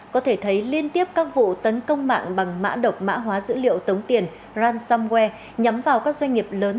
có thể thấy liên tiếp các vụ tấn công mạng bằng mã độc mã hóa dữ liệu tống tiền ransomware nhắm vào các doanh nghiệp lớn